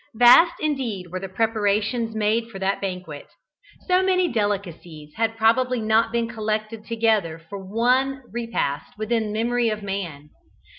Vast, indeed, were the preparations made for that banquet. So many delicacies had probably not been collected together for one repast within the memory of man.